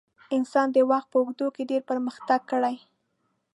انسان د وخت په اوږدو کې ډېر پرمختګ کړی.